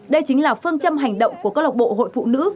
đây chính là phương châm hành động của cơ lộc bộ hội phụ nữ